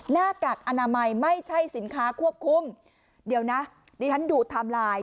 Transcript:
หน้ากากอนามัยไม่ใช่สินค้าควบคุมเดี๋ยวนะดิฉันดูไทม์ไลน์